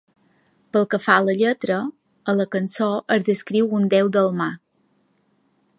Pel que fa a la lletra, a la cançó es descriu un déu del mar.